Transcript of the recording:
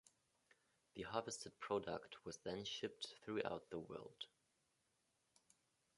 The harvested product was then shipped throughout the world.